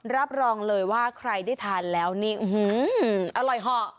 รับรองเลยว่าใครได้ทานแล้วนี่อร่อยเหาะ